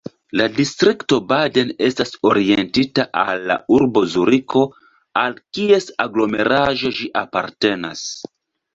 La distrikto Baden estas orientita al la urbo Zuriko al kies aglomeraĵo ĝi apartenas.